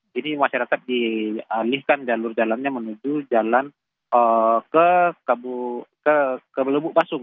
jadi wasiratat dialihkan jalur jalannya menuju jalan ke kebelubu pasung